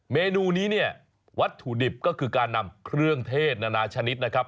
เมนูนี้เนี่ยวัตถุดิบก็คือการนำเครื่องเทศนานาชนิดนะครับ